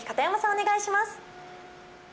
お願いします。